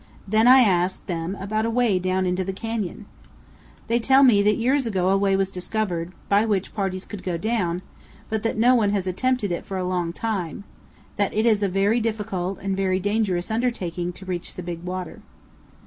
Then I ask them about a way down into the canyon. They tell me that years ago a way was discovered by which parties could go down, but that no one has attempted it for a long time; that it is a very difficult and very dangerous undertaking to reach the "Big Water."